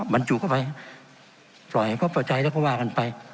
มันจุกเข้าไปปล่อยพ่อเจ้าพ่อใจแล้วก็ว่ากันไป